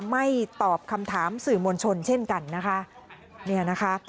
ไม่ตอบคำถามสื่อมวลชนเช่นกันนะคะ